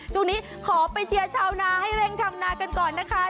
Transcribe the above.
ช่วงนี้ขอไปเชียร์ชาวนาให้เร่งทำนากันก่อนนะคะ